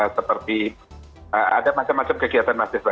seperti ada macam macam kegiatan mahasiswa